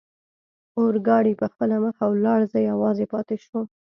اورګاډي پخپله مخه ولاړ، زه یوازې پاتې شوم.